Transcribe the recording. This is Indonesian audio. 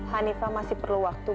hanifah masih perlu waktu